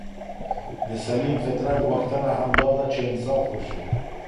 د سلیم فطرت غوښتنه همدا ده چي انصاف وسي.